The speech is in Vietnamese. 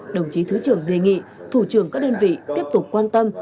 đồng chí thứ trưởng đề nghị thủ trưởng các đơn vị tiếp tục quan tâm